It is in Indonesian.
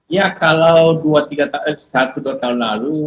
ya kalau dua tiga tahun lalu